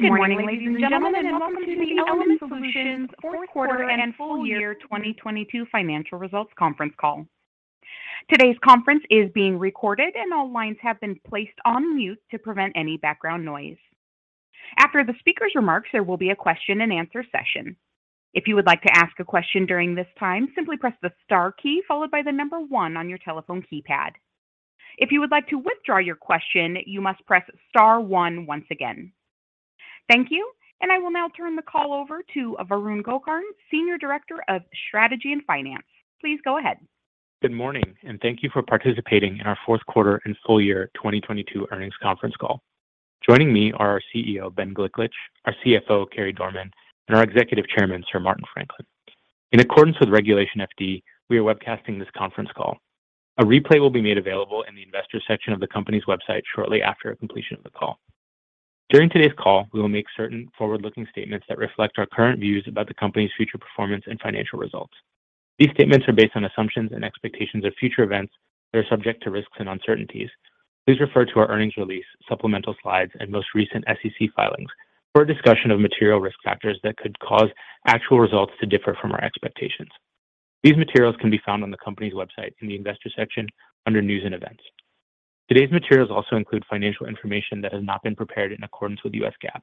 Good morning, ladies and gentlemen, and welcome to the Element Solutions fourth quarter and full year 2022 financial results conference call. Today's conference is being recorded and all lines have been placed on mute to prevent any background noise. After the speaker's remarks, there will be a question and answer session. If you would like to ask a question during this time, simply press the star key followed by the number one on your telephone keypad. If you would like to withdraw your question, you must press star one once again. Thank you, and I will now turn the call over to Varun Gokarn, Senior Director of Strategy and Finance. Please go ahead. Good morning. Thank you for participating in our fourth quarter and full year 2022 earnings conference call. Joining me are our CEO, Ben Gliklich, our CFO, Carey Dorman, and our Executive Chairman, Sir Martin Franklin. In accordance with Regulation FD, we are webcasting this conference call. A replay will be made available in the investor section of the company's website shortly after completion of the call. During today's call, we will make certain forward-looking statements that reflect our current views about the company's future performance and financial results. These statements are based on assumptions and expectations of future events that are subject to risks and uncertainties. Please refer to our earnings release, supplemental slides, and most recent SEC filings for a discussion of material risk factors that could cause actual results to differ from our expectations. These materials can be found on the company's website in the investor section under news and events. Today's materials also include financial information that has not been prepared in accordance with U.S. GAAP.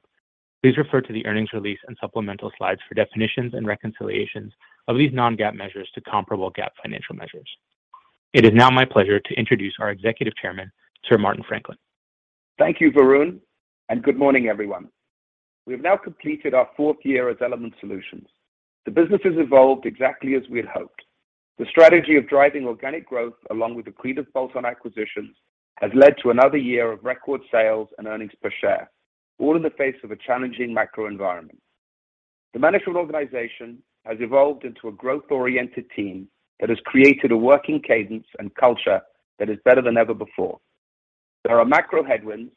Please refer to the earnings release and supplemental slides for definitions and reconciliations of these non-GAAP measures to comparable GAAP financial measures. It is now my pleasure to introduce our Executive Chairman, Sir Martin Franklin. Thank you, Varun, and good morning, everyone. We have now completed our fourth year at Element Solutions. The business has evolved exactly as we had hoped. The strategy of driving organic growth along with accretive bolt-on acquisitions has led to another year of record sales and earnings per share, all in the face of a challenging macro environment. The management organization has evolved into a growth-oriented team that has created a working cadence and culture that is better than ever before. There are macro headwinds,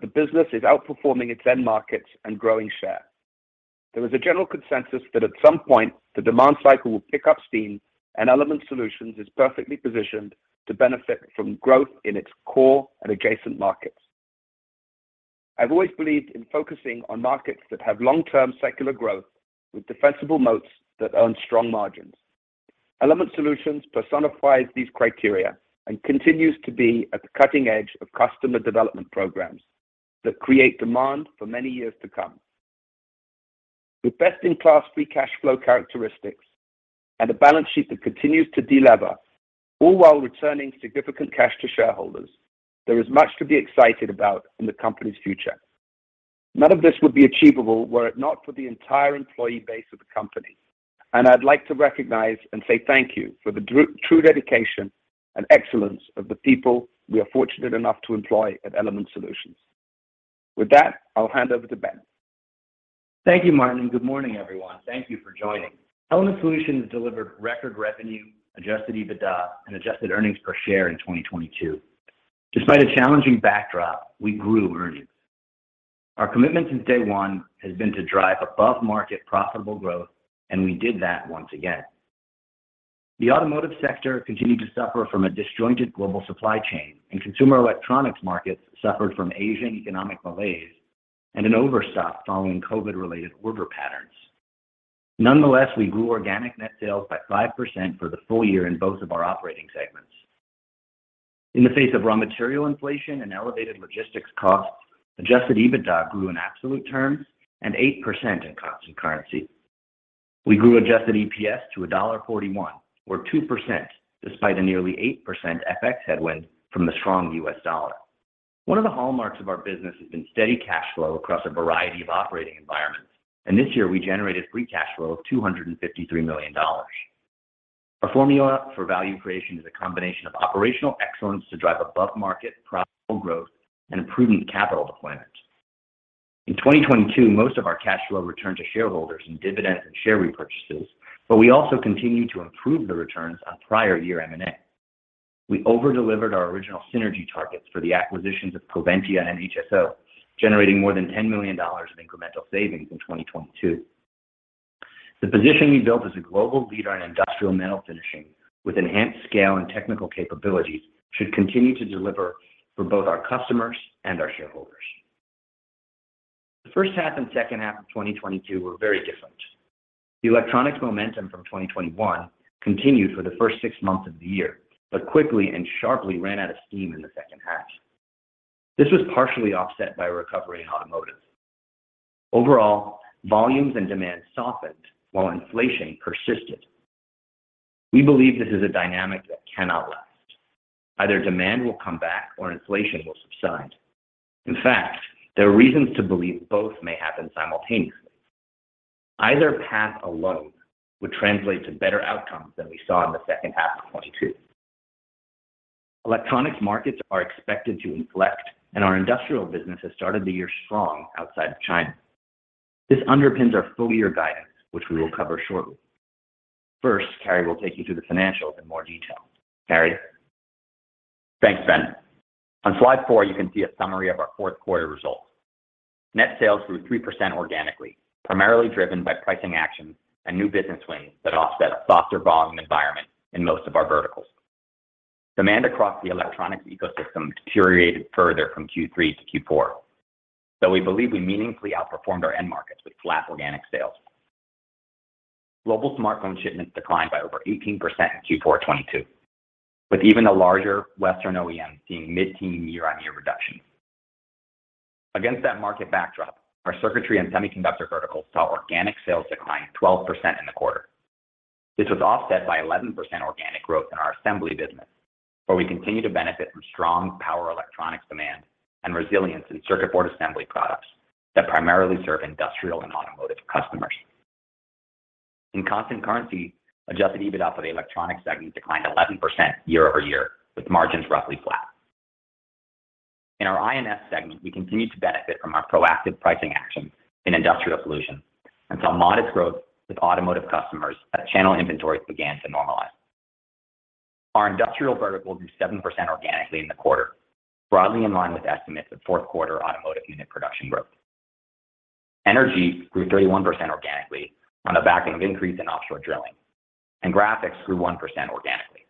the business is outperforming its end markets and growing share. There is a general consensus that at some point the demand cycle will pick up steam, Element Solutions is perfectly positioned to benefit from growth in its core and adjacent markets. I've always believed in focusing on markets that have long-term secular growth with defensible moats that earn strong margins. Element Solutions personifies these criteria and continues to be at the cutting edge of customer development programs that create demand for many years to come. With best-in-class free cash flow characteristics and a balance sheet that continues to delever, all while returning significant cash to shareholders, there is much to be excited about in the company's future. None of this would be achievable were it not for the entire employee base of the company, and I'd like to recognize and say thank you for the true dedication and excellence of the people we are fortunate enough to employ at Element Solutions. With that, I'll hand over to Ben. Thank you, Martin. Good morning, everyone. Thank you for joining. Element Solutions delivered record revenue, adjusted EBITDA, and adjusted earnings per share in 2022. Despite a challenging backdrop, we grew earnings. Our commitment since day one has been to drive above-market profitable growth, we did that once again. The automotive sector continued to suffer from a disjointed global supply chain, consumer electronics markets suffered from Asian economic malaise and an overstock following COVID-related order patterns. Nonetheless, we grew organic net sales by 5% for the full year in both of our operating segments. In the face of raw material inflation and elevated logistics costs, adjusted EBITDA grew in absolute terms and 8% in constant currency. We grew adjusted EPS to $1.41 or 2% despite a nearly 8% FX headwind from the strong US dollar. One of the hallmarks of our business has been steady cash flow across a variety of operating environments. This year we generated free cash flow of $253 million. Our formula for value creation is a combination of operational excellence to drive above-market profitable growth and prudent capital deployment. In 2022, most of our cash flow returned to shareholders in dividends and share repurchases. We also continued to improve the returns on prior year M&A. We over-delivered our original synergy targets for the acquisitions of Coventya and HSO, generating more than $10 million of incremental savings in 2022. The position we built as a global leader in industrial metal finishing with enhanced scale and technical capabilities should continue to deliver for both our customers and our shareholders. The first half and second half of 2022 were very different. The electronics momentum from 2021 continued for the first six months of the year, but quickly and sharply ran out of steam in the second half. This was partially offset by a recovery in automotive. Overall, volumes and demand softened while inflation persisted. We believe this is a dynamic that cannot last. Either demand will come back or inflation will subside. In fact, there are reasons to believe both may happen simultaneously. Either path alone would translate to better outcomes than we saw in the second half of 2022. Electronics markets are expected to inflect, our industrial business has started the year strong outside of China. This underpins our full year guidance, which we will cover shortly. First, Carey will take you through the financials in more detail. Carey? Thanks, Ben. On Slide 4, you can see a summary of our fourth quarter results. Net sales grew 3% organically, primarily driven by pricing actions and new business wins that offset a softer volume environment in most of our verticals. Demand across the electronics ecosystem deteriorated further from Q3 to Q4. We believe we meaningfully outperformed our end markets with flat organic sales. Global smartphone shipments declined by over 18% in Q4 2022, with even the larger Western OEM seeing mid-teen year-on-year reduction. Against that market backdrop, our circuitry and semiconductor verticals saw organic sales decline 12% in the quarter. This was offset by 11% organic growth in our assembly business, where we continue to benefit from strong power electronics demand and resilience in circuit board assembly products that primarily serve industrial and automotive customers. In constant currency, adjusted EBITDA for the Electronics segment declined 11% year-over-year, with margins roughly flat. In our INS segment, we continue to benefit from our proactive pricing actions in industrial solutions and saw modest growth with automotive customers as channel inventories began to normalize. Our industrial vertical grew 7% organically in the quarter, broadly in line with estimates of fourth quarter automotive unit production growth. Energy grew 31% organically on the backing of increase in offshore drilling, and graphics grew 1% organically.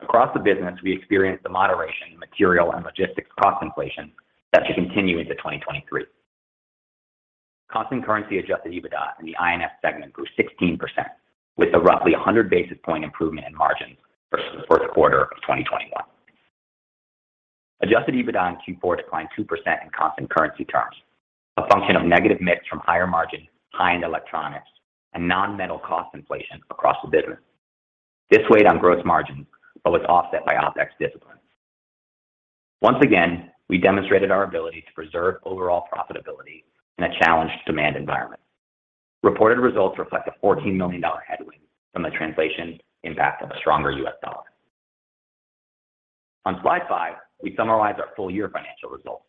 Across the business, we experienced the moderation in material and logistics cost inflation that should continue into 2023. Constant currency adjusted EBITDA in the INS segment grew 16% with a roughly 100 basis point improvement in margins versus the fourth quarter of 2021. Adjusted EBITDA in Q4 declined 2% in constant currency terms, a function of negative mix from higher margin, high-end electronics and non-metal cost inflation across the business. This weighed on gross margin, but was offset by OpEx discipline. Once again, we demonstrated our ability to preserve overall profitability in a challenged demand environment. Reported results reflect a $14 million headwind from the translation impact of a stronger U.S. dollar. On Slide 5, we summarize our full year financial results.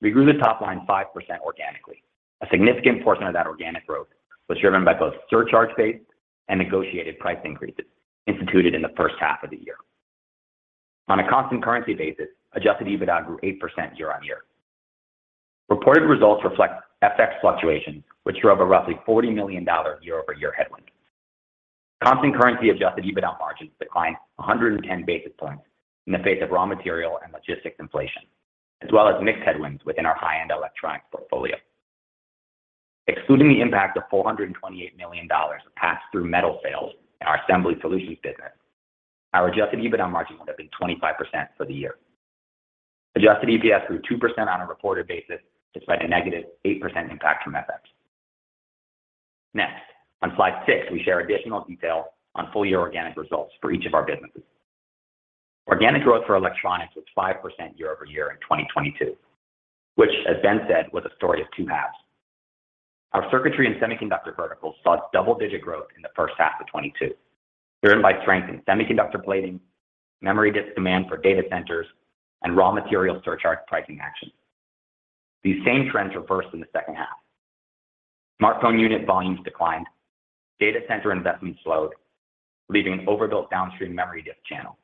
We grew the top line 5% organically. A significant portion of that organic growth was driven by both surcharge base and negotiated price increases instituted in the first half of the year. On a constant currency basis, adjusted EBITDA grew 8% year-on-year. Reported results reflect FX fluctuations which drove a roughly $40 million year-over-year headwind. Constant currency adjusted EBITDA margins declined 110 basis points in the face of raw material and logistics inflation, as well as mix headwinds within our high-end electronics portfolio. Excluding the impact of $428 million of pass through metal sales in our Assembly Solutions business, our adjusted EBITDA margin would have been 25% for the year. adjusted EPS grew 2% on a reported basis, despite a negative 8% impact from FX. Next, on Slide 6, we share additional detail on full year organic results for each of our businesses. Organic growth for Electronics was 5% year-over-year in 2022, which as Ben said, was a story of two halves. Our Circuitry and Semiconductor verticals saw double-digit growth in the first half of 2022, driven by strength in semiconductor plating, memory disk demand for data centers, and raw material surcharge pricing actions. These same trends reversed in the second half. Smartphone unit volumes declined. Data center investments slowed, leaving an overbuilt downstream memory disk channel,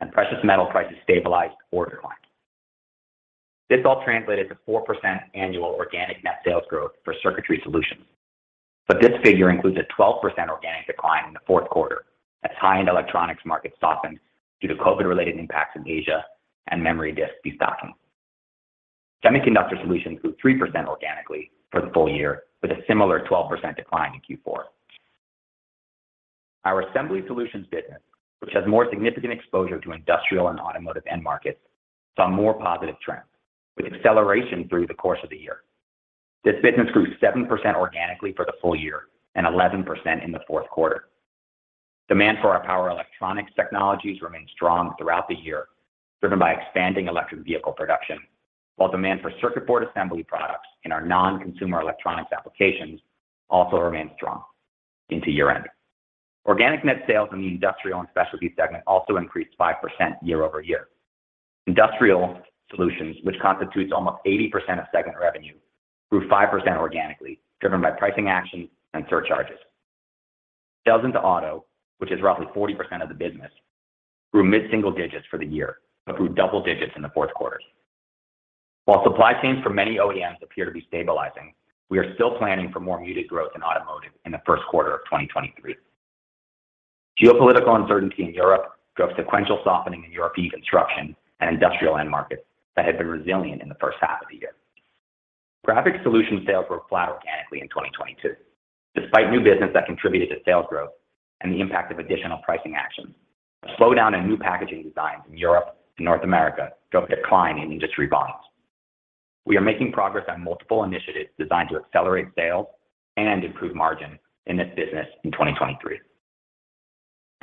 and precious metal prices stabilized or declined. This all translated to 4% annual organic net sales growth for Circuitry Solutions. This figure includes a 12% organic decline in the fourth quarter as high-end electronics markets softened due to COVID related impacts in Asia and memory disk destocking. Semiconductor Solutions grew 3% organically for the full year with a similar 12% decline in Q4. Our Assembly Solutions business, which has more significant exposure to industrial and automotive end markets, saw more positive trends with acceleration through the course of the year. This business grew 7% organically for the full year and 11% in the fourth quarter. Demand for our power electronics technologies remained strong throughout the year, driven by expanding electric vehicle production, while demand for circuit board assembly products in our non-consumer electronics applications also remained strong into year end. Organic net sales in the Industrial & Specialty segment also increased 5% year-over-year. Industrial Solutions, which constitutes almost 80% of segment revenue, grew 5% organically, driven by pricing actions and surcharges. Sales into auto, which is roughly 40% of the business, grew mid-single digits for the year, but grew double digits in the fourth quarter. While supply chains for many OEMs appear to be stabilizing, we are still planning for more muted growth in automotive in the first quarter of 2023. Geopolitical uncertainty in Europe drove sequential softening in European construction and industrial end markets that had been resilient in the first half of the year. Graphics Solutions sales were flat organically in 2022, despite new business that contributed to sales growth and the impact of additional pricing actions. A slowdown in new packaging designs in Europe and North America drove decline in industry volumes. We are making progress on multiple initiatives designed to accelerate sales and improve margin in this business in 2023.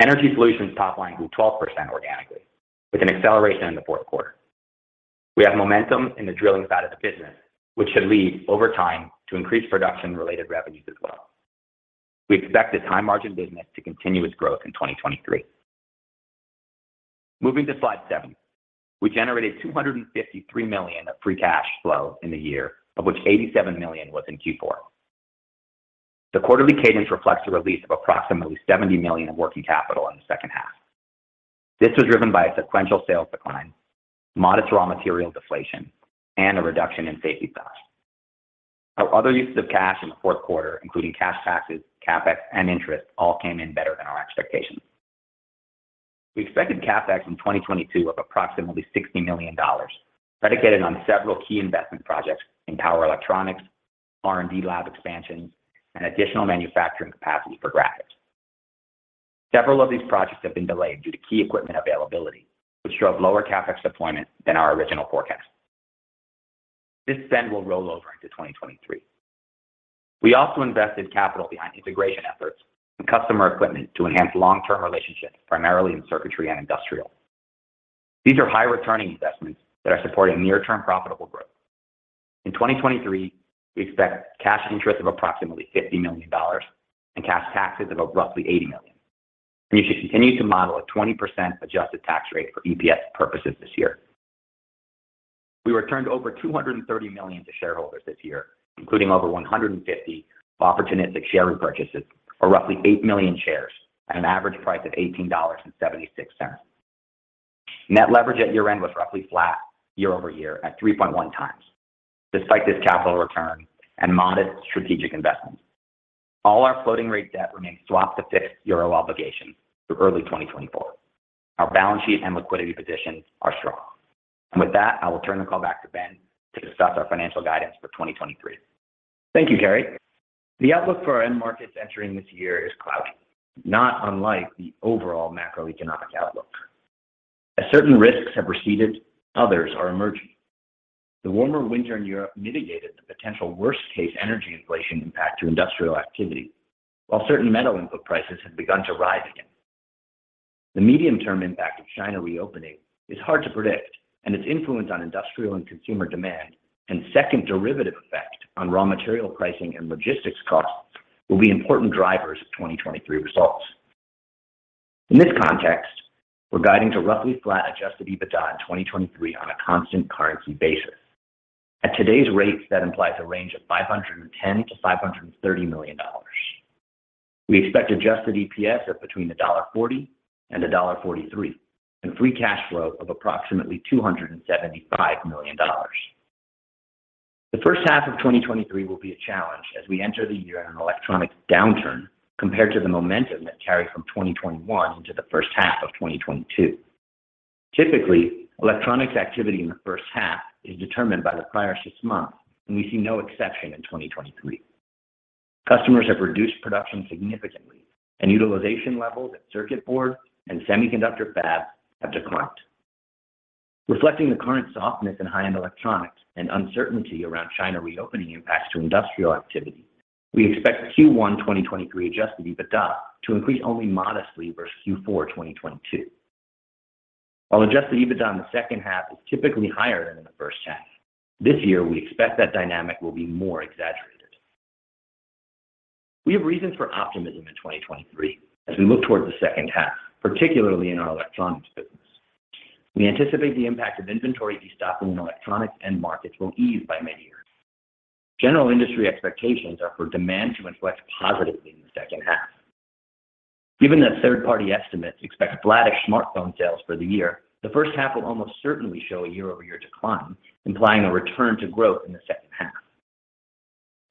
Energy Solutions top line grew 12% organically with an acceleration in the fourth quarter. We have momentum in the drilling side of the business, which should lead over time to increase production related revenues as well. We expect this high margin business to continue its growth in 2023. Moving to Slide 7. We generated $253 million of free cash flow in the year, of which $87 million was in Q4. The quarterly cadence reflects a release of approximately $70 million in working capital in the second half. This was driven by a sequential sales decline, modest raw material deflation, and a reduction in safety stock. Our other uses of cash in the fourth quarter, including cash taxes, CapEx, and interest, all came in better than our expectations. We expected CapEx in 2022 of approximately $60 million, predicated on several key investment projects in power electronics, R&D lab expansion, and additional manufacturing capacity for graphics. Several of these projects have been delayed due to key equipment availability, which drove lower CapEx deployment than our original forecast. This spend will roll over into 2023. We also invested capital behind integration efforts and customer equipment to enhance long-term relationships, primarily in circuitry and industrial. These are high-returning investments that are supporting near-term profitable growth. In 2023, we expect cash interest of approximately $50 million and cash taxes of roughly $80 million, you should continue to model a 20% adjusted tax rate for EPS purposes this year. We returned over $230 million to shareholders this year, including over 150 opportunistic share repurchases for roughly eight million shares at an average price of $18.76. Net leverage at year-end was roughly flat year-over-year at 3.1 times despite this capital return and modest strategic investments. All our floating rate debt remains swapped to fixed euro obligations through early 2024. Our balance sheet and liquidity positions are strong. With that, I will turn the call back to Ben to discuss our financial guidance for 2023. Thank you, Carey. The outlook for our end markets entering this year is cloudy, not unlike the overall macroeconomic outlook. As certain risks have receded, others are emerging. The warmer winter in Europe mitigated the potential worst-case energy inflation impact to industrial activity, while certain metal input prices have begun to rise again. The medium-term impact of China reopening is hard to predict, and its influence on industrial and consumer demand and second derivative effect on raw material pricing and logistics costs will be important drivers of 2023 results. In this context, we're guiding to roughly flat adjusted EBITDA in 2023 on a constant currency basis. At today's rates, that implies a range of $510 million to $530 million. We expect adjusted EPS of between $1.40 and $1.43, and free cash flow of approximately $275 million. The first half of 2023 will be a challenge as we enter the year in an electronics downturn compared to the momentum that carried from 2021 into the first half of 2022. Typically, electronics activity in the first half is determined by the prior six months. We see no exception in 2023. Customers have reduced production significantly. Utilization levels at circuit board and semiconductor fabs have declined. Reflecting the current softness in high-end electronics and uncertainty around China reopening impacts to industrial activity, we expect Q1 2023 adjusted EBITDA to increase only modestly versus Q4 2022. While adjusted EBITDA in the second half is typically higher than in the first half, this year we expect that dynamic will be more exaggerated. We have reasons for optimism in 2023 as we look towards the second half, particularly in our electronics business. We anticipate the impact of inventory destocking in electronics end markets will ease by midyear. General industry expectations are for demand to inflect positively in the second half. Given that third-party estimates expect flattish smartphone sales for the year, the first half will almost certainly show a year-over-year decline, implying a return to growth in the second half.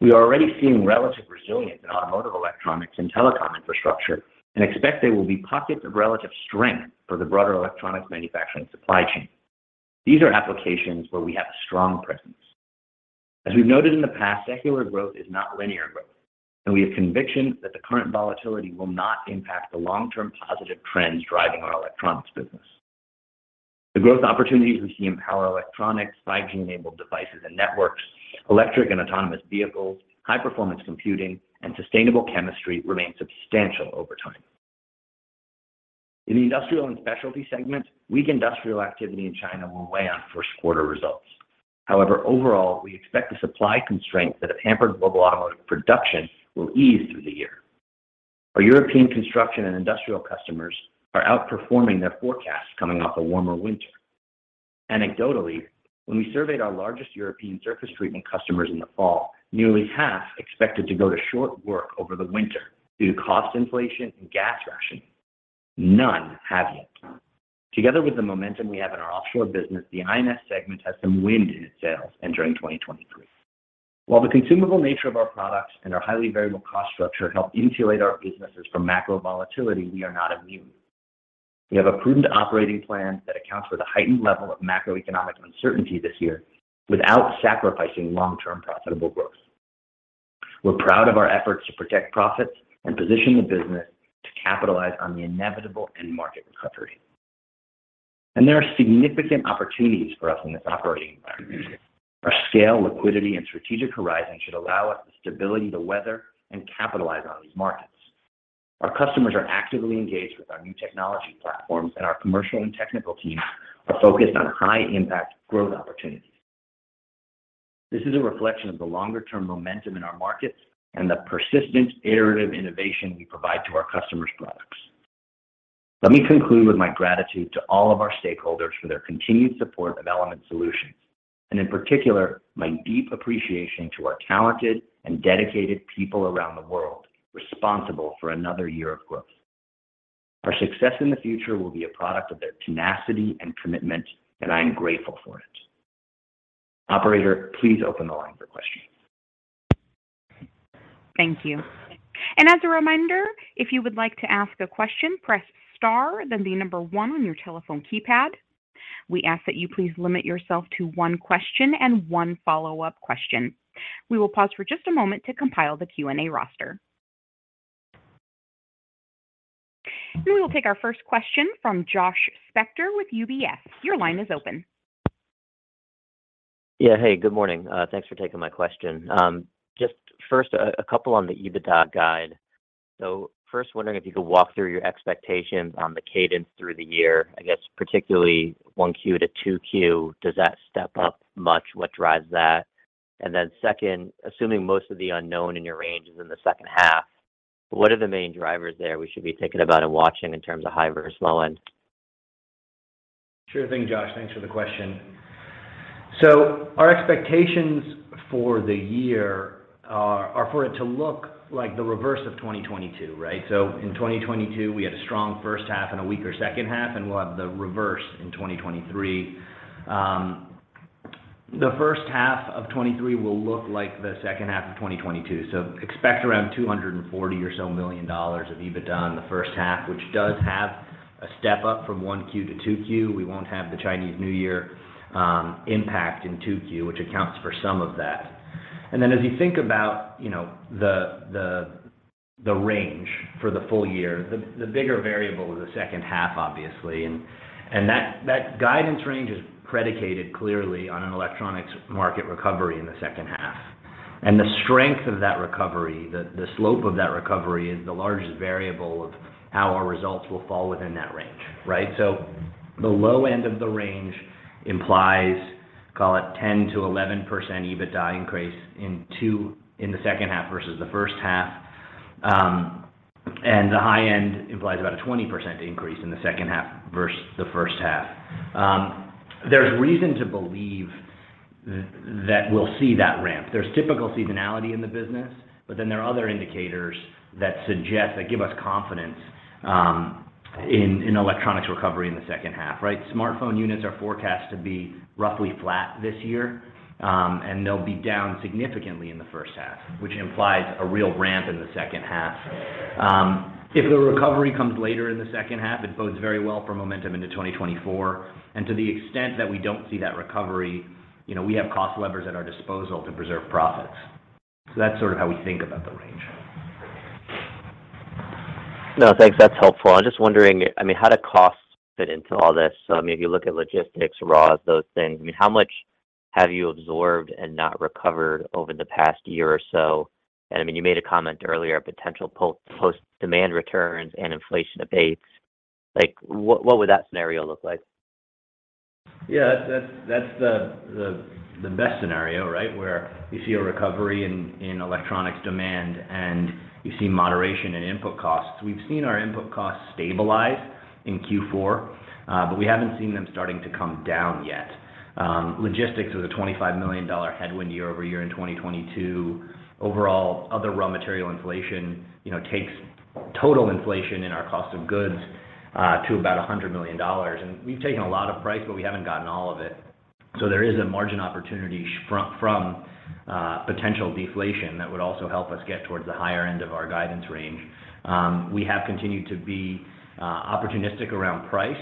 We are already seeing relative resilience in automotive electronics and telecom infrastructure and expect there will be pockets of relative strength for the broader electronics manufacturing supply chain. These are applications where we have a strong presence. As we've noted in the past, secular growth is not linear growth. We have conviction that the current volatility will not impact the long-term positive trends driving our Electronics business. The growth opportunities we see in power electronics, 5G-enabled devices and networks, electric and autonomous vehicles, high-performance computing, and sustainable chemistry remain substantial over time. In the Industrial & Specialty segment, weak industrial activity in China will weigh on first quarter results. Overall, we expect the supply constraints that have hampered global automotive production will ease through the year. Our European construction and industrial customers are outperforming their forecasts coming off a warmer winter. Anecdotally, when we surveyed our largest European surface treatment customers in the fall, nearly half expected to go to short-time work over the winter due to cost inflation and gas rationing. None have yet. Together with the momentum we have in our offshore business, the IS segment has some wind in its sails entering 2023. While the consumable nature of our products and our highly variable cost structure help insulate our businesses from macro volatility, we are not immune. We have a prudent operating plan that accounts for the heightened level of macroeconomic uncertainty this year without sacrificing long-term profitable growth. We're proud of our efforts to protect profits and position the business to capitalize on the inevitable end market recovery. There are significant opportunities for us in this operating environment. Our scale, liquidity, and strategic horizon should allow us the stability to weather and capitalize on these markets. Our customers are actively engaged with our new technology platforms, and our commercial and technical teams are focused on high-impact growth opportunities. This is a reflection of the longer-term momentum in our markets and the persistent iterative innovation we provide to our customers' products. Let me conclude with my gratitude to all of our stakeholders for their continued support of Element Solutions, and in particular, my deep appreciation to our talented and dedicated people around the world responsible for another year of growth. Our success in the future will be a product of their tenacity and commitment, and I am grateful for it. Operator, please open the line for questions. Thank you. As a reminder, if you would like to ask a question, press star, then the number one on your telephone keypad. We ask that you please limit yourself to one question and one follow-up question. We will pause for just a moment to compile the Q&A roster. We will take our first question from Josh Spector with UBS. Your line is open. Yeah. Hey, good morning. Thanks for taking my question. Just first, a couple on the EBITDA guide. First, wondering if you could walk through your expectations on the cadence through the year. I guess particularly Q1 to Q2. Does that step up much? What drives that? Second, assuming most of the unknown in your range is in the second half, what are the main drivers there we should be thinking about and watching in terms of high versus low end? Sure thing, Josh. Thanks for the question. Our expectations for the year are for it to look like the reverse of 2022, right? In 2022, we had a strong first half and a weaker second half, and we'll have the reverse in 2023. The first half of 2023 will look like the second half of 2022. Expect around $240 million or so of EBITDA in the first half, which does have a step up from Q1 to Q2. We won't have the Chinese New Year impact in Q2, which accounts for some of that. As you think about, you know, the range for the full year, the bigger variable is the second half, obviously. That guidance range is predicated clearly on an electronics market recovery in the second half. The strength of that recovery, the slope of that recovery is the largest variable of how our results will fall within that range, right? The low end of the range implies, call it 10% to 11% EBITDA increase in the second half versus the first half. The high end implies about a 20% increase in the second half versus the first half. There's reason to believe that we'll see that ramp. There's typical seasonality in the business, but then there are other indicators that give us confidence in electronics recovery in the second half, right? Smartphone units are forecast to be roughly flat this year, and they'll be down significantly in the first half, which implies a real ramp in the second half. If the recovery comes later in the second half, it bodes very well for momentum into 2024. To the extent that we don't see that recovery, you know, we have cost levers at our disposal to preserve profits. That's sort of how we think about the range. No, thanks. That's helpful. I'm just wondering, I mean, how do costs fit into all this? I mean, if you look at logistics, raw, those things, I mean, how much have you absorbed and not recovered over the past year or so? I mean, you made a comment earlier, potential post demand returns and inflation abates. Like, what would that scenario look like? Yeah. That's the best scenario, right? Where you see a recovery in electronics demand. You see moderation in input costs. We've seen our input costs stabilize in Q4, but we haven't seen them starting to come down yet. Logistics was a $25 million headwind year-over-year in 2022. Overall, other raw material inflation, you know, takes total inflation in our cost of goods to about $100 million. We've taken a lot of price, but we haven't gotten all of it. There is a margin opportunity from potential deflation that would also help us get towards the higher end of our guidance range. We have continued to be opportunistic around price.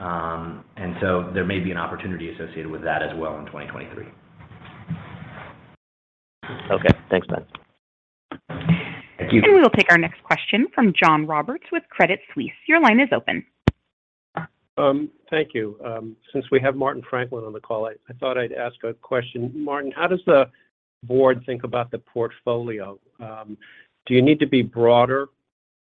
There may be an opportunity associated with that as well in 2023. Okay. Thanks, Ben. Thank you. We will take our next question from John Roberts with Credit Suisse. Your line is open. Thank you. Since we have Martin Franklin on the call, I thought I'd ask a question. Martin, how does the board think about the portfolio? Do you need to be broader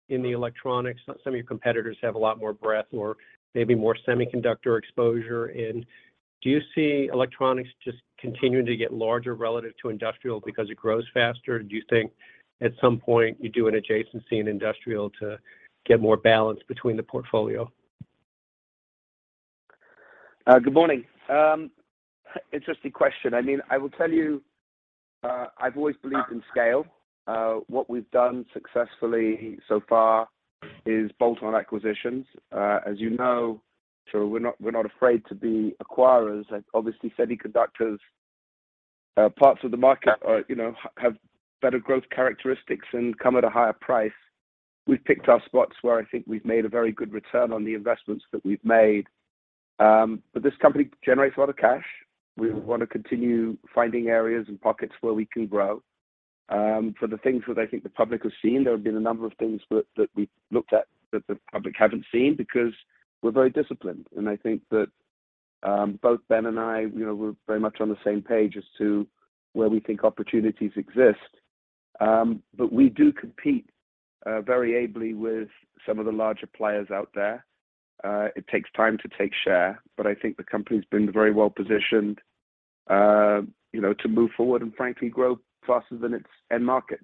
in the electronics? Some of your competitors have a lot more breadth or maybe more semiconductor exposure. Do you see electronics just continuing to get larger relative to industrial because it grows faster? Do you think at some point you do an adjacency in industrial to get more balance between the portfolio? Good morning. Interesting question. I mean, I will tell you, I've always believed in scale. What we've done successfully so far is bolt-on acquisitions. As you know, so we're not, we're not afraid to be acquirers. Obviously, semiconductors, parts of the market are, you know, have better growth characteristics and come at a higher price. We've picked our spots where I think we've made a very good return on the investments that we've made. This company generates a lot of cash. We want to continue finding areas and pockets where we can grow. For the things that I think the public has seen, there have been a number of things that we've looked at that the public haven't seen because we're very disciplined. I think that, both Ben and I, you know, we're very much on the same page as to where we think opportunities exist. We do compete, very ably with some of the larger players out there. It takes time to take share, but I think the company's been very well positioned, you know, to move forward and frankly grow faster than its end market.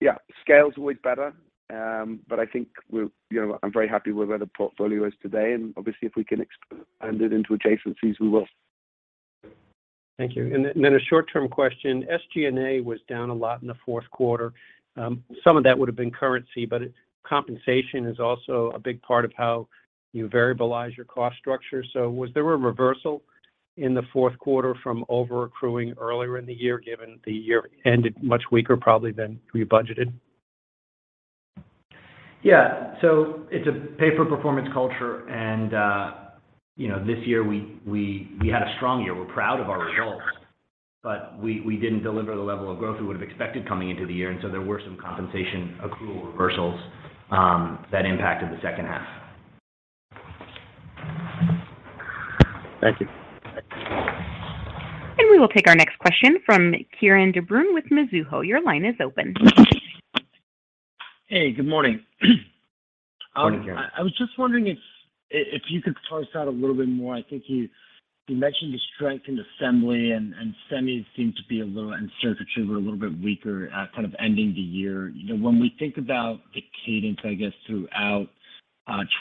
Yeah, scale's always better. I think, you know, I'm very happy with where the portfolio is today. Obviously, if we can expand it into adjacencies, we will. Thank you. A short-term question. SG&A was down a lot in the fourth quarter. Some of that would have been currency. Compensation is also a big part of how you variabilize your cost structure. Was there a reversal in the fourth quarter from over-accruing earlier in the year, given the year ended much weaker probably than you budgeted? Yeah. It's a pay-for-performance culture, and, you know, this year we had a strong year. We're proud of our results, but we didn't deliver the level of growth we would have expected coming into the year. There were some compensation accrual reversals that impacted the second half. Thank you. We will take our next question from Kieran De Brun with Mizuho. Your line is open. Hey, good morning. Good morning, Kieran. I was just wondering if you could talk to us about a little bit more. I think you mentioned the strength in Assembly and Semis seem to be and Circuitry were a little bit weaker at kind of ending the year. You know, when we think about the cadence, I guess, throughout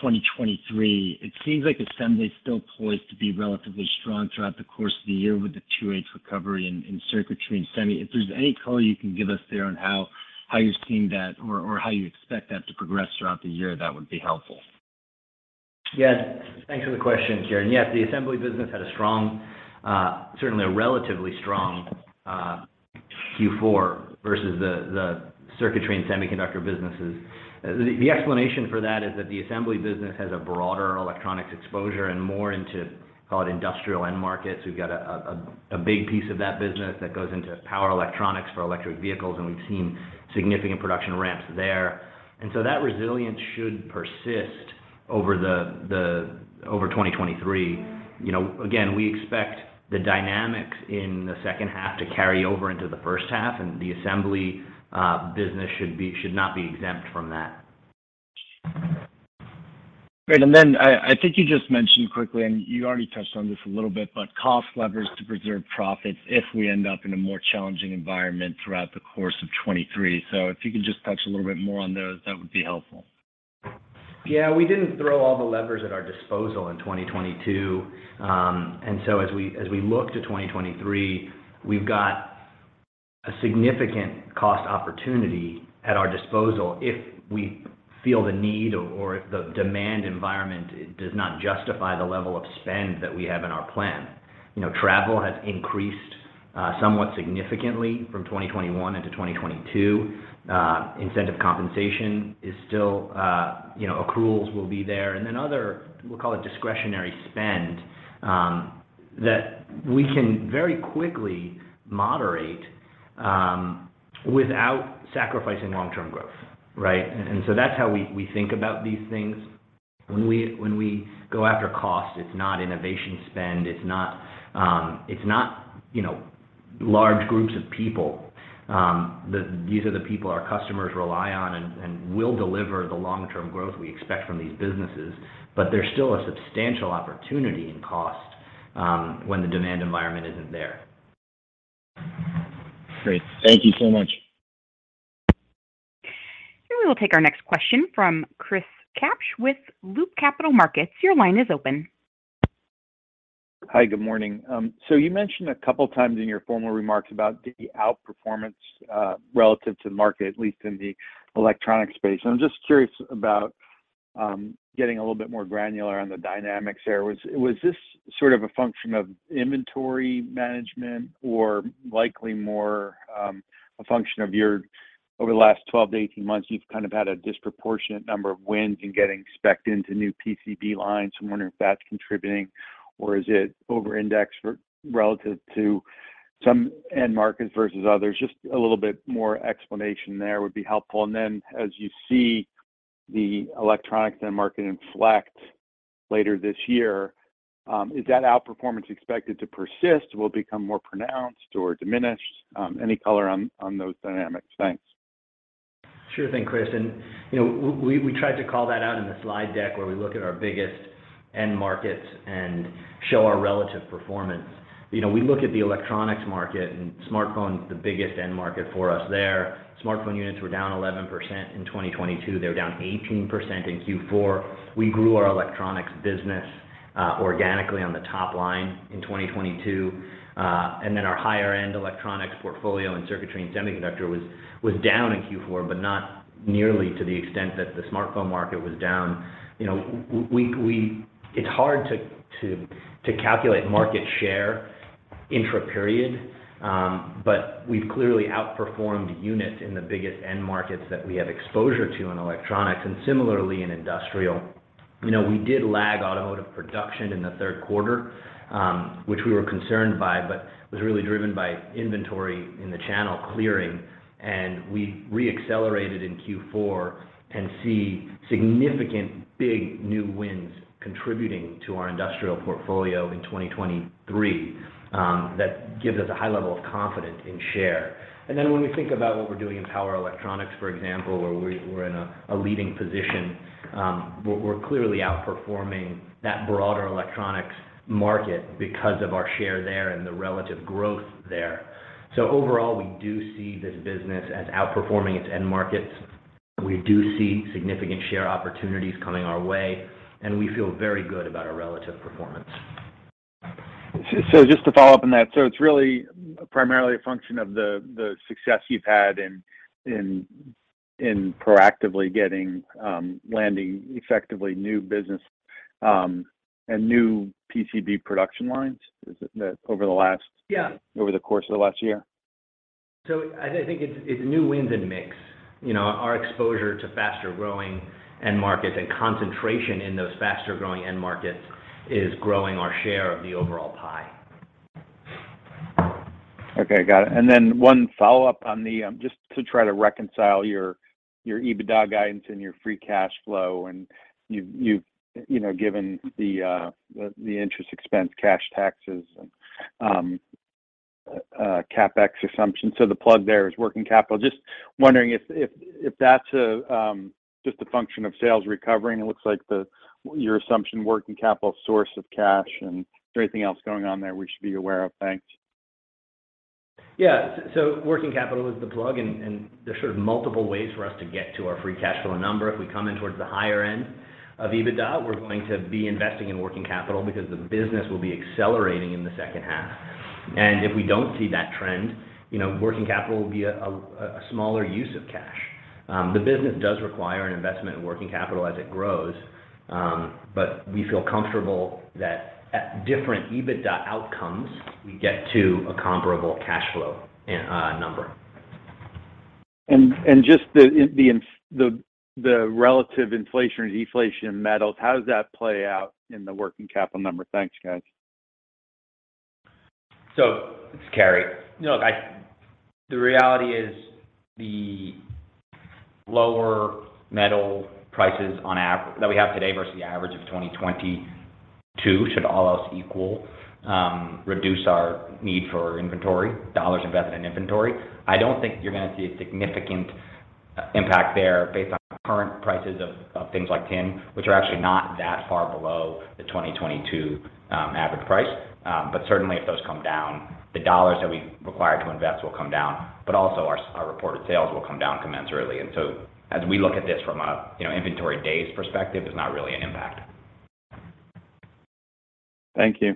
2023, it seems like Assembly is still poised to be relatively strong throughout the course of the year with the H2 recovery in Circuitry and Semi. If there's any color you can give us there on how you're seeing that or how you expect that to progress throughout the year, that would be helpful. Yes. Thanks for the question, Kieran. Yes, the assembly business had a strong, certainly a relatively strong, Q4 versus the circuitry and semiconductor businesses. The explanation for that is that the assembly business has a broader electronics exposure and more into, call it, industrial end markets. We've got a big piece of that business that goes into power electronics for electric vehicles, and we've seen significant production ramps there. So that resilience should persist over the over 2023. You know, again, we expect the dynamics in the second half to carry over into the first half, and the assembly business should not be exempt from that. Great. I think you just mentioned quickly, you already touched on this a little bit, but cost levers to preserve profits if we end up in a more challenging environment throughout the course of 2023. If you could just touch a little bit more on those, that would be helpful. Yeah. We didn't throw all the levers at our disposal in 2022. As we, as we look to 2023, we've got a significant cost opportunity at our disposal if we feel the need or if the demand environment does not justify the level of spend that we have in our plan. You know, travel has increased, somewhat significantly from 2021 into 2022. Incentive compensation is still, you know, accruals will be there. Other, we'll call it discretionary spend, that we can very quickly moderate, without sacrificing long-term growth, right? That's how we think about these things. When we, when we go after cost, it's not innovation spend, it's not, it's not, you know, large groups of people. These are the people our customers rely on and will deliver the long-term growth we expect from these businesses. There's still a substantial opportunity in cost when the demand environment isn't there. Great. Thank you so much. We will take our next question from Chris Kapsch with Loop Capital Markets. Your line is open. You mentioned a couple of times in your formal remarks about the outperformance relative to market, at least in the electronic space. I'm just curious about getting a little bit more granular on the dynamics there. Was this sort of a function of inventory management or likely more a function of your over the last 12 to 18 months, you've kind of had a disproportionate number of wins in getting specked into new PCB lines. I'm wondering if that's contributing or is it over-indexed for relative to some end markets versus others? Just a little bit more explanation there would be helpful. As you see the electronics end market inflect later this year, is that outperformance expected to persist, will it become more pronounced or diminished? Any color on those dynamics? Sure thing, Chris. You know, we tried to call that out in the slide deck where we look at our biggest end markets and show our relative performance. You know, we look at the Electronics market and smartphone is the biggest end market for us there. Smartphone units were down 11% in 2022. They were down 18% in Q4. We grew our Electronics business organically on the top line in 2022. Then our higher end Electronics portfolio in Circuitry Solutions and Semiconductor Solutions was down in Q4, but not nearly to the extent that the smartphone market was down. You know, we it's hard to calculate market share intraperiod, but we've clearly outperformed units in the biggest end markets that we have exposure to in Electronics and similarly in Industrial Solutions. You know, we did lag automotive production in the third quarter, which we were concerned by, but it was really driven by inventory in the channel clearing. We re-accelerated in Q4 and see significant big new wins contributing to our industrial portfolio in 2023 that gives us a high level of confidence in share. When we think about what we're doing in power electronics, for example, where we're in a leading position, we're clearly outperforming that broader electronics market because of our share there and the relative growth there. Overall, we do see this business as outperforming its end markets. We do see significant share opportunities coming our way, and we feel very good about our relative performance. Just to follow up on that. It's really primarily a function of the success you've had in proactively getting, landing effectively new business, and new PCB production lines. Is it that over the last. Yeah. Over the course of the last year? I think it's new wins in mix. You know, our exposure to faster-growing end markets and concentration in those faster-growing end markets is growing our share of the overall pie. Okay. Got it. One follow-up on the... Just to try to reconcile your EBITDA guidance and your free cash flow, and you've, you know, given the interest expense, cash taxes, and CapEx assumption. The plug there is working capital. Just wondering if that's a just a function of sales recovering. It looks like your assumption working capital source of cash, and is there anything else going on there we should be aware of? Thanks. Working capital is the plug, and there's sort of multiple ways for us to get to our free cash flow number. If we come in towards the higher end of EBITDA, we're going to be investing in working capital because the business will be accelerating in the second half. And if we don't see that trend, you know, working capital will be a smaller use of cash. The business does require an investment in working capital as it grows, but we feel comfortable that at different EBITDA outcomes, we get to a comparable cash flow number. Just the relative inflation and deflation in metals, how does that play out in the working capital number? Thanks, guys. It's Carey. Look, the reality is the lower metal prices on average that we have today versus the average of 2022 should all else equal reduce our need for dollars invested in inventory. I don't think you're gonna see a significant impact there based on current prices of things like tin, which are actually not that far below the 2022 average price. Certainly if those come down, the dollars that we require to invest will come down, but also our reported sales will come down commensurately. As we look at this from a, you know, inventory days perspective, there's not really an impact. Thank you.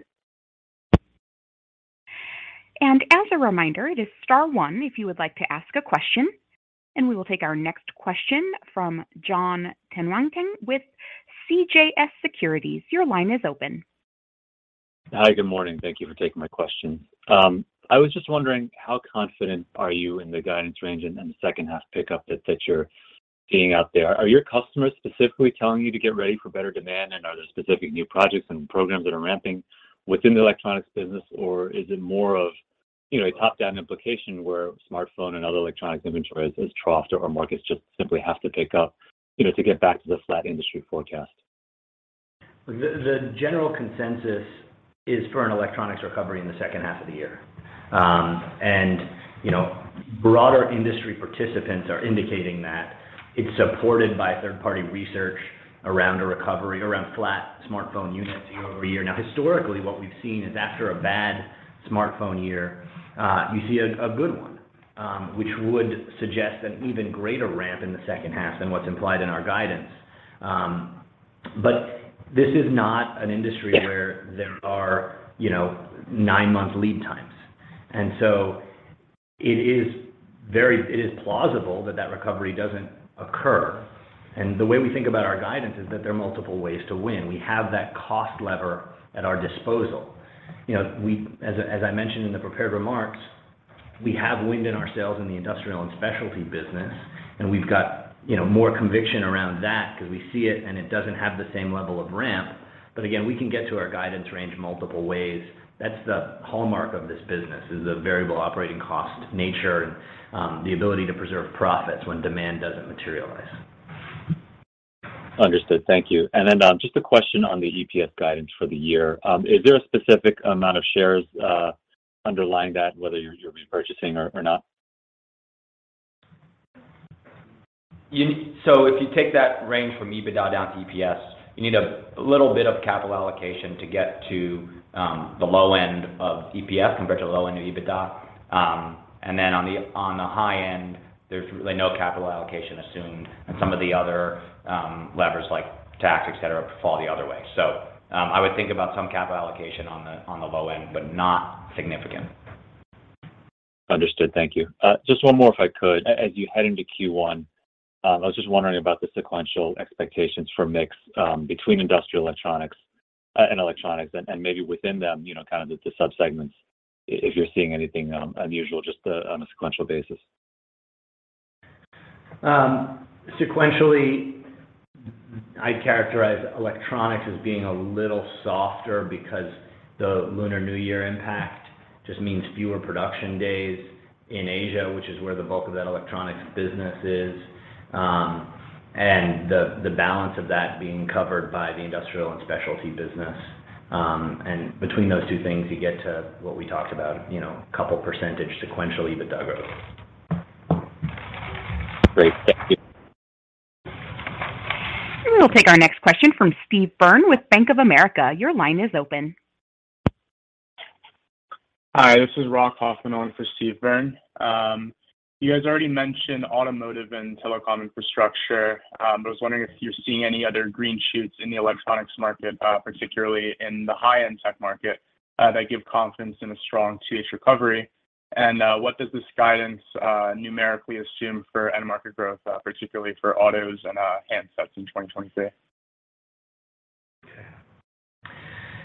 As a reminder, it is star one if you would like to ask a question. We will take our next question from Jon Tanwanteng with CJS Securities. Your line is open. Hi. Good morning. Thank you for taking my question. I was just wondering how confident are you in the guidance range and then the second half pickup that you're seeing out there. Are your customers specifically telling you to get ready for better demand? Are there specific new projects and programs that are ramping within the electronics business? Or is it more of, you know, a top-down implication where smartphone and other electronics inventory is troughed or markets just simply have to pick up, you know, to get back to the flat industry forecast? The general consensus is for an electronics recovery in the second half of the year. You know, broader industry participants are indicating that it's supported by third-party research around a recovery, around flat smartphone units year-over-year. Now, historically, what we've seen is after a bad smartphone year, you see a good one, which would suggest an even greater ramp in the second half than what's implied in our guidance. This is not an industry where there are, you know, nine-month lead times. So it is plausible that that recovery doesn't occur. The way we think about our guidance is that there are multiple ways to win. We have that cost lever at our disposal. You know, as I mentioned in the prepared remarks, we have wind in our sails in the Industrial and Specialty business, and we've got, you know, more conviction around that because we see it and it doesn't have the same level of ramp. Again, we can get to our guidance range multiple ways. That's the hallmark of this business, is the variable operating cost nature and the ability to preserve profits when demand doesn't materialize. Understood. Thank you. Then, just a question on the EPS guidance for the year. Is there a specific amount of shares underlying that, whether you're repurchasing or not? If you take that range from EBITDA down to EPS, you need a little bit of capital allocation to get to the low end of EPS compared to the low end of EBITDA. Then on the, on the high end, there's really no capital allocation assumed, and some of the other levers like tax, et cetera, fall the other way. I would think about some capital allocation on the low end, but not significant. Understood. Thank you. Just one more, if I could. As you head into Q1, I was just wondering about the sequential expectations for mix, between industrial Electronics, and Electronics and maybe within them, you know, kind of the subsegments, if you're seeing anything, unusual just, on a sequential basis. Sequentially, I characterize electronics as being a little softer because the Lunar New Year impact just means fewer production days in Asia, which is where the bulk of that electronics business is, and the balance of that being covered by the Industrial and Specialty business. Between those two things, you get to what we talked about, you know, couple percentage sequential EBITDA growth. Great. Thank you. We'll take our next question from Steve Byrne with Bank of America. Your line is open. Hi, this is Rick Hoffman on for Steve Byrne. You guys already mentioned automotive and telecom infrastructure. I was wondering if you're seeing any other green shoots in the electronics market, particularly in the high-end tech market, that give confidence in a strong two-ish recovery. What does this guidance numerically assume for end market growth, particularly for autos and handsets in 2023?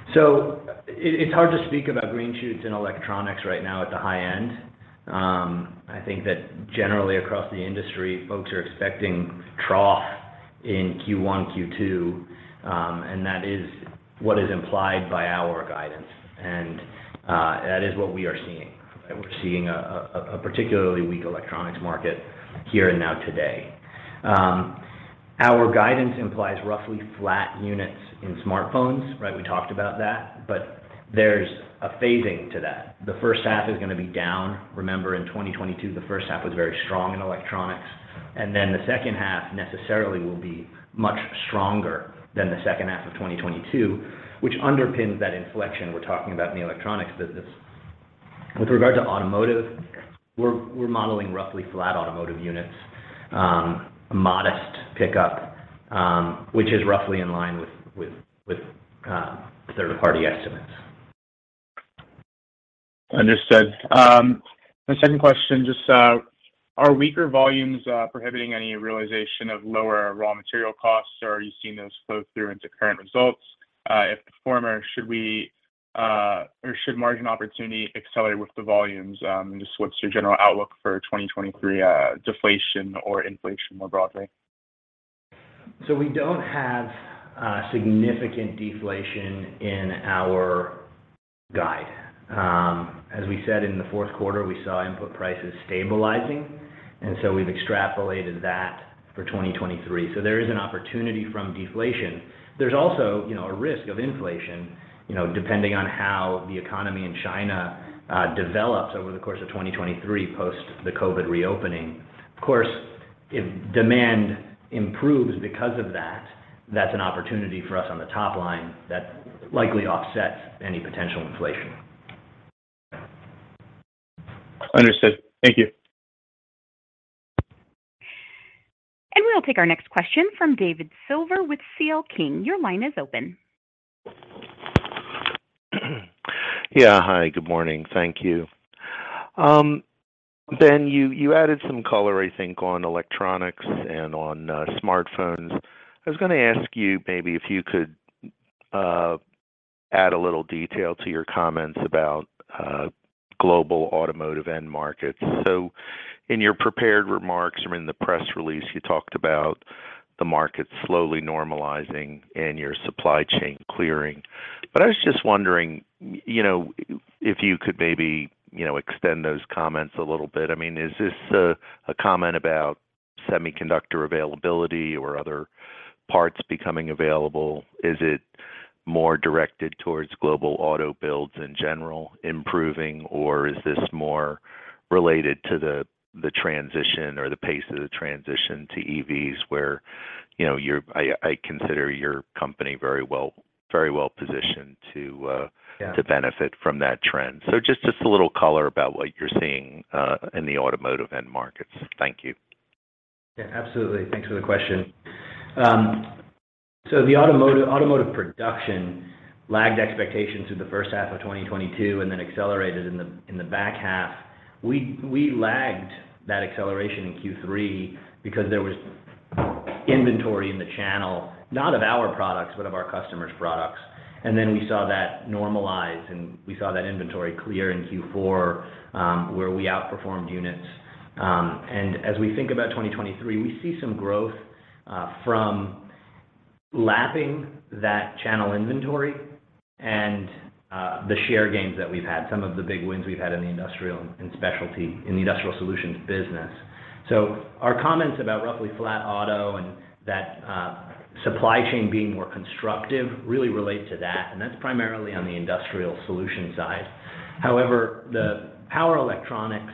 It's hard to speak about green shoots in electronics right now at the high end. I think that generally across the industry, folks are expecting trough in Q1, Q2, and that is what is implied by our guidance. That is what we are seeing. We're seeing a particularly weak electronics market here and now today. Our guidance implies roughly flat units in smartphones, right? We talked about that, but there's a phasing to that. The first half is gonna be down. Remember in 2022, the first half was very strong in electronics, and then the second half necessarily will be much stronger than the second half of 2022, which underpins that inflection we're talking about in the electronics business. With regard to automotive, we're modeling roughly flat automotive units, modest pickup, which is roughly in line with third party estimates. Understood. My second question, just are weaker volumes prohibiting any realization of lower raw material costs, or are you seeing those flow through into current results? If the former, or should margin opportunity accelerate with the volumes? Just what's your general outlook for 2023, deflation or inflation more broadly? We don't have significant deflation in our guide. As we said in the fourth quarter, we saw input prices stabilizing, and so we've extrapolated that for 2023. There is an opportunity from deflation. There's also, you know, a risk of inflation, you know, depending on how the economy in China develops over the course of 2023 post the COVID reopening. Of course, if demand improves because of that's an opportunity for us on the top line that likely offsets any potential inflation. Understood. Thank you. We'll take our next question from David Silver with CL King. Your line is open. Hi. Good morning. Thank you. Ben, you added some color I think on electronics and on smartphones. I was gonna ask you maybe if you could add a little detail to your comments about global automotive end markets. In your prepared remarks from in the press release, you talked about the market slowly normalizing and your supply chain clearing. I was just wondering, you know, if you could maybe, you know, extend those comments a little bit. I mean, is this a comment about semiconductor availability or other parts becoming available? Is it more directed towards global auto builds in general improving, or is this more related to the transition or the pace of the transition to EVs where, you know, I consider your company very well positioned to? Yeah. to benefit from that trend. Just a little color about what you're seeing, in the automotive end markets. Thank you. Yeah, absolutely. Thanks for the question. The automotive production lagged expectations in the first half of 2022 and then accelerated in the back half. We lagged that acceleration in Q3 because there was inventory in the channel, not of our products, but of our customers' products. Then we saw that normalize, and we saw that inventory clear in Q4, where we outperformed units. As we think about 2023, we see some growth from lapping that channel inventory and the share gains that we've had, some of the big wins we've had in the Industrial Solutions business. Our comments about roughly flat auto and that supply chain being more constructive really relate to that, and that's primarily on the Industrial Solutions side. However, the power electronics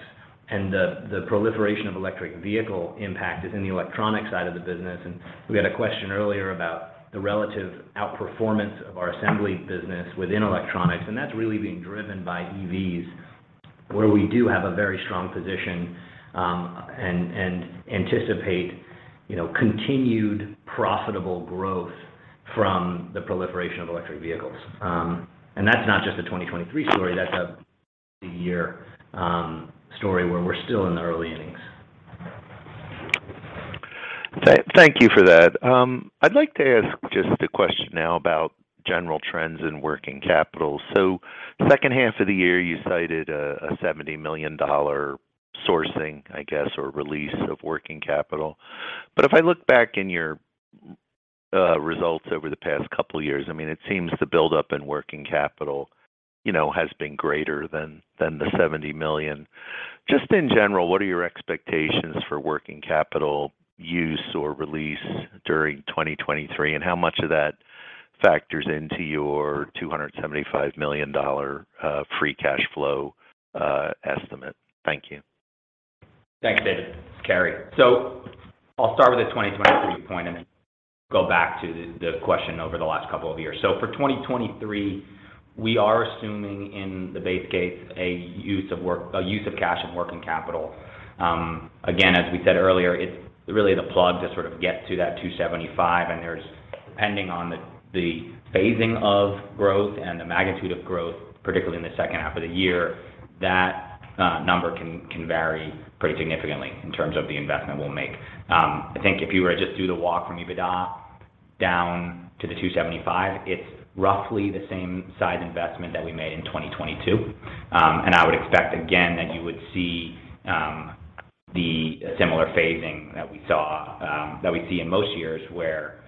and the proliferation of electric vehicle impact is in the electronic side of the business. We had a question earlier about the relative outperformance of our assembly business within Electronics, and that's really being driven by EVs, where we do have a very strong position, and anticipate, you know, continued profitable growth from the proliferation of electric vehicles. That's not just a 2023 story, that's a multi-year story where we're still in the early innings. Thank you for that. I'd like to ask just a question now about general trends in working capital. Second half of the year, you cited a $70 million sourcing, I guess, or release of working capital. If I look back in your results over the past couple years, I mean, it seems the buildup in working capital, you know, has been greater than $70 million. Just in general, what are your expectations for working capital use or release during 2023, and how much of that factors into your $275 million free cash flow estimate? Thank you. Thanks, David. It's Carey. I'll start with the 2023 point and go back to the question over the last couple of years. For 2023, we are assuming in the base case a use of cash and working capital. Again, as we said earlier, it's really the plug to sort of get to that 275, and there's pending on the phasing of growth and the magnitude of growth, particularly in the second half of the year, that number can vary pretty significantly in terms of the investment we'll make. I think if you were to just do the walk from EBITDA down to the 275, it's roughly the same size investment that we made in 2022. I would expect again that you would see the similar phasing that we saw that we see in most years where,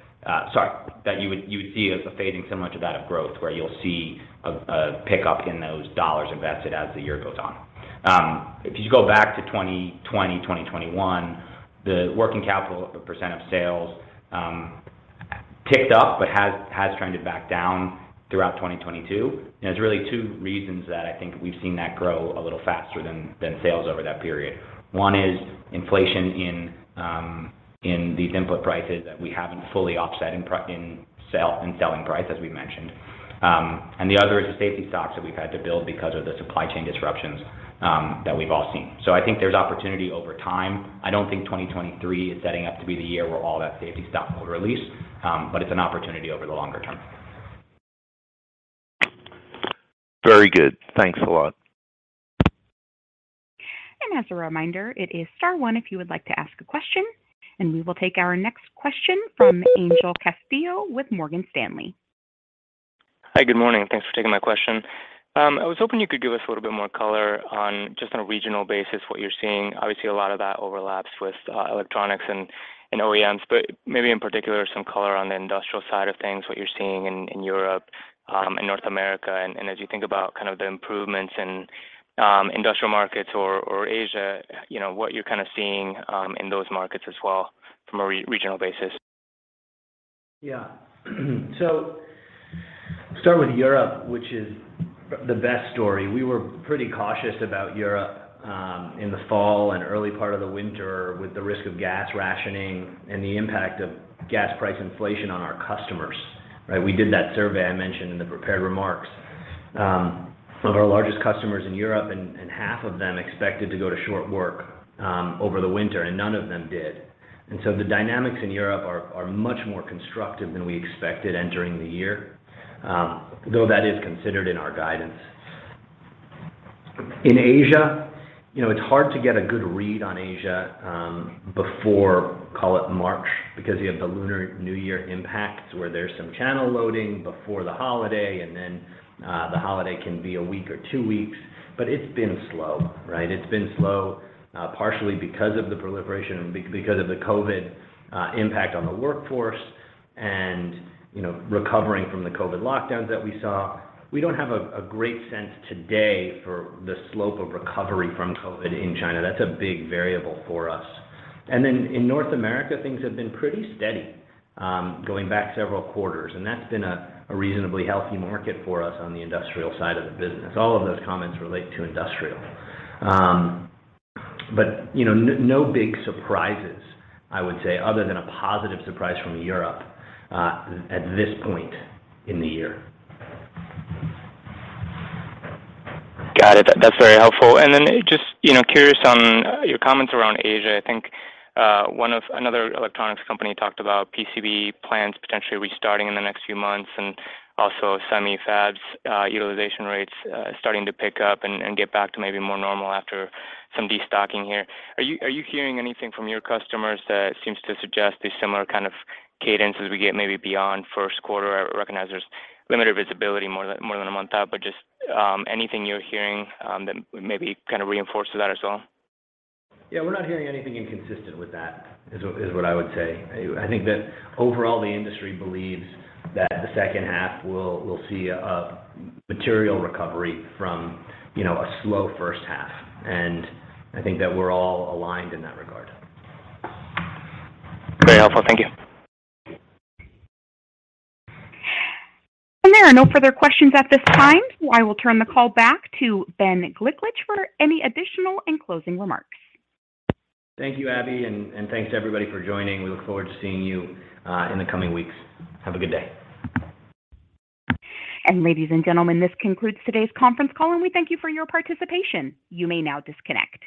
sorry, that you would see as a phasing similar to that of growth, where you'll see a pickup in those dollars invested as the year goes on. If you go back to 2020, 2021, the working capital percent of sales ticked up but has trended back down throughout 2022. There's really two reasons that I think we've seen that grow a little faster than sales over that period. One is inflation in these input prices that we haven't fully offset in selling price, as we mentioned. The other is the safety stocks that we've had to build because of the supply chain disruptions that we've all seen. I think there's opportunity over time. I don't think 2023 is setting up to be the year where all that safety stock will release, but it's an opportunity over the longer term. Very good. Thanks a lot. As a reminder, it is star one if you would like to ask a question. We will take our next question from Angel Castillo with Morgan Stanley. Hi. Good morning. Thanks for taking my question. I was hoping you could give us a little bit more color on just on a regional basis what you're seeing. Obviously, a lot of that overlaps with electronics and OEMs, but maybe in particular some color on the industrial side of things, what you're seeing in Europe, in North America. As you think about kind of the improvements in industrial markets or Asia, you know, what you're kind of seeing in those markets as well from a regional basis. Start with Europe, which is the best story. We were pretty cautious about Europe in the fall and early part of the winter with the risk of gas rationing and the impact of gas price inflation on our customers, right? We did that survey I mentioned in the prepared remarks of our largest customers in Europe, and half of them expected to go to short-time work over the winter, and none of them did. The dynamics in Europe are much more constructive than we expected entering the year, though that is considered in our guidance. In Asia, you know, it's hard to get a good REIT on Asia, before, call it March, because you have the Lunar New Year impacts, where there's some channel loading before the holiday, then the holiday can be a week or two weeks. It's been slow, right? It's been slow, partially because of the proliferation and because of the COVID impact on the workforce and, you know, recovering from the COVID lockdowns that we saw. We don't have a great sense today for the slope of recovery from COVID in China. That's a big variable for us. Then in North America, things have been pretty steady, going back several quarters, and that's been a reasonably healthy market for us on the industrial side of the business. All of those comments relate to industrial. You know, no big surprises, I would say, other than a positive surprise from Europe, at this point in the year. Got it. That's very helpful. Then just, you know, curious on your comments around Asia? I think another electronics company talked about PCB plans potentially restarting in the next few months and also semi fabs, utilization rates starting to pick up and get back to maybe more normal after some destocking here. Are you hearing anything from your customers that seems to suggest a similar kind of cadence as we get maybe beyond first quarter? I recognize there's limited visibility more than a month out, but just anything you're hearing that maybe kind of reinforces that as well? Yeah, we're not hearing anything inconsistent with that is what I would say. I think that overall the industry believes that the second half we'll see a material recovery from, you know, a slow first half. I think that we're all aligned in that regard. Very helpful. Thank you. There are no further questions at this time. I will turn the call back to Ben Gliklich for any additional and closing remarks. Thank you, Abby, and thanks to everybody for joining. We look forward to seeing you in the coming weeks. Have a good day. Ladies and gentlemen, this concludes today's conference call, and we thank you for your participation. You may now disconnect.